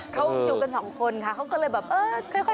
เขาอยู่กัน๒คนค่ะเขาก็เลยว่าเออค่อยไป